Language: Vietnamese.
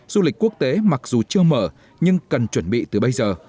du lịch quốc tế mặc dù chưa mở nhưng cần chuẩn bị từ bây giờ